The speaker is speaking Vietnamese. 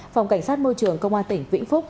phòng cảnh sát môi trường công an tỉnh vĩnh phúc